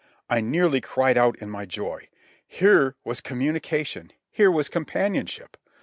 I nearly cried out in my joy. Here was communication! Here was companionship!